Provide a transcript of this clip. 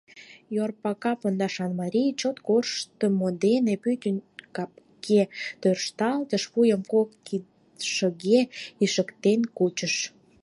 Йорпака пондашан марий чот корштымо дене пӱтынь капге тӧршталтыш, вуйым кок кидшыге ишыктен кучыш.